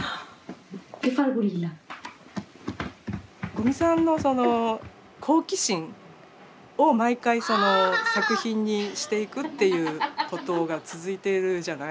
五味さんのその好奇心を毎回その作品にしていくっていうことが続いてるじゃない。